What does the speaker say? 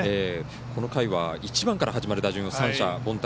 この回は１番から始まる打順を三者凡退。